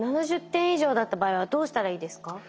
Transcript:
７０点以上だった場合はどうしたらいいですか？